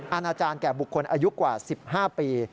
อาณาจารย์แก่บุคคลอายุกว่า๑๕ปี